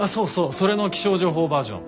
それの気象情報バージョン。